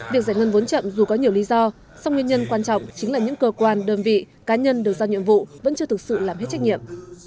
việc giải ngân vốn chậm dù có nhiều lý do song nguyên nhân quan trọng chính là những cơ quan đơn vị cá nhân được giao nhiệm vụ vẫn chưa thực sự làm hết trách nhiệm